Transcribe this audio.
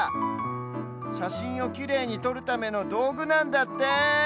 しゃしんをきれいにとるためのどうぐなんだって！